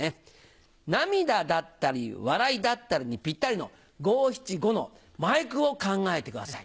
「涙だったり笑いだったり」にピッタリの五・七・五の前句を考えてください。